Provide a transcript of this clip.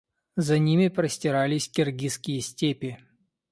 За ними простирались киргизские степи.